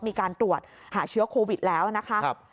มีการตรวจหาเชื้อโควิดแล้วนะคะ